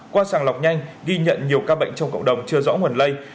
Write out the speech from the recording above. qua sàng lọc nhanh ghi nhận nhiều ca bệnh trong cộng đồng chưa rõ nguồn lây